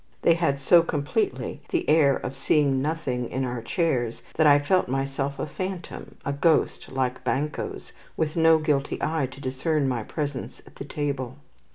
They had so completely the air of seeing nothing in our chairs that I felt myself a phantom, a ghost like Banquo's, with no guilty eye to discern my presence at the table.